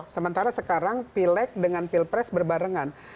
sementara sekarang pileg dengan pilpres berbarengan